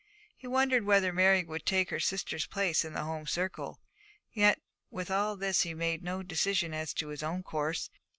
He wondered whether Mary could take her sister's place in the home circle. Yet with all this he made no decision as to his own course.